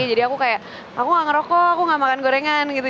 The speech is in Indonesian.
aku kayak aku gak ngerokok aku gak makan gorengan gitu